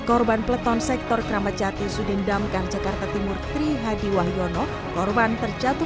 korban peleton sektor keramat jati sudindamkan jakarta timur trihadi wahyono korban terjatuh